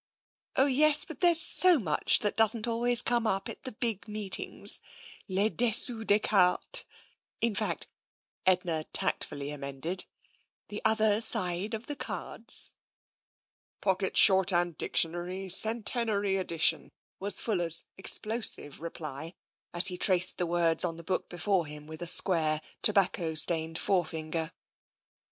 *' Oh, yes, but then there's so much that doesn't al ways come up at the big meetings. Le dessous des cartes. In fact," Edna tactfully amended, " the other side of the cards." " Pocket Shorthand Dictionary, Centenary Edition/' was Fuller's explosive reply, as he traced the words on the book before him with a square, tobacco stained forefinger.